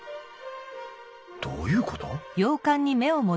どういうこと？